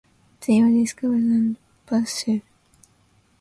They were discovered and pursued.